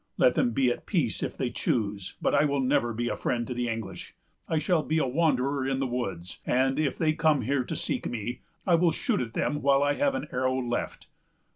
Let them be at peace if they choose; but I will never be a friend to the English. I shall be a wanderer in the woods; and, if they come there to seek me, I will shoot at them while I have an arrow left."